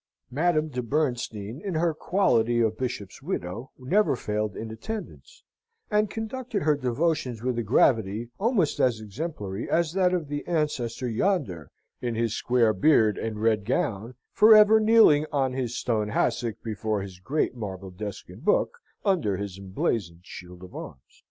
Madame de Bernstein, in her quality of Bishop's widow, never failed in attendance, and conducted her devotions with a gravity almost as exemplary as that of the ancestor yonder, in his square beard and red gown, for ever kneeling on his stone hassock before his great marble desk and book, under his emblazoned shield of arms.